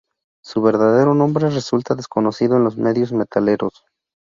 Su verdadero nombre resulta desconocido en los medios metaleros.